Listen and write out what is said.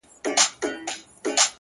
زما تصـور كي دي تصـوير ويده دی ـ